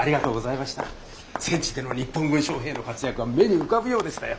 戦地での日本軍将兵の活躍が目に浮かぶようでしたよ。